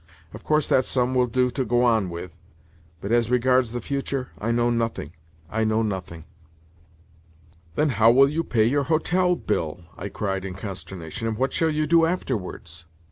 Of course that sum will do to go on with, but, as regards the future, I know nothing, I know nothing." "Then how will you pay your hotel bill?" I cried in consternation. "And what shall you do afterwards?"